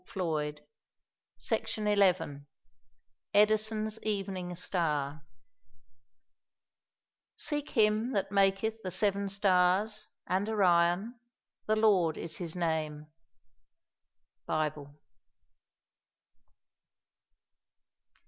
EDISON'S EVENING STAR "Seek him that maketh the seven stars and Orion: The Lord is his name." _Bible.